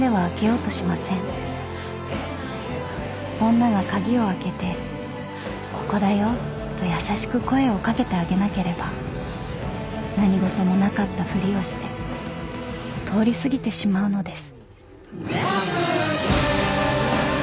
［女が鍵を開けてここだよと優しく声を掛けてあげなければ何事もなかったふりをして通り過ぎてしまうのです］